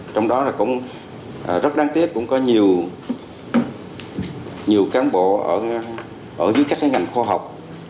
trong đó cũng rất đáng tiếc cũng có nhiều cán bộ ở dưới các ngành khoa học